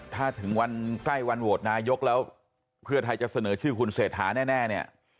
ถ้าถึงวันใกล้วันโหวตนายกแล้วเพื่อไทยจะเสนอชื่อคุณเศรษฐาแน่เนี่ย